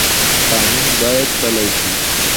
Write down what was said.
قانون باید پلی شي